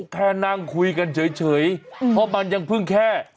แค่นั่งคุยกันเฉยเพราะมันยังเพิ่งแค่